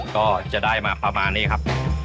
ก็จะได้มาประมาณนี้ครับ